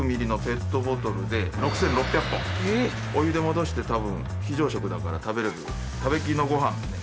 お湯で戻してたぶん非常食だから食べれる食べきりのごはんね。